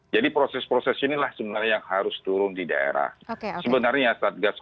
jadi proses proses inilah sebenarnya yang harus turun di daerah